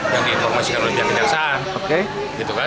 yang diinformasikan oleh pihak pihak jaksa